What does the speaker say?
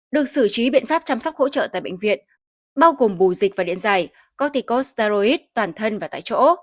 được xử trí biện pháp chăm sóc hỗ trợ tại bệnh viện bao gồm bù dịch và điện dày corticoid toàn thân và tại chỗ